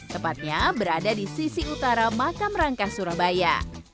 tepatnya berada di sisi utara makam rangka surabaya